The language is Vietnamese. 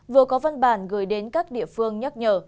vừa có văn bản gửi đến các địa phương nhắc nhở